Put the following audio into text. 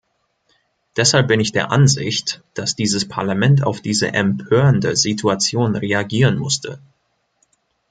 Deshalb bin ich der Ansicht, dass dieses Parlament auf diese empörende Situation reagieren musste.